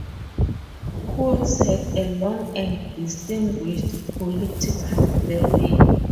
Cools had a long and distinguished political career.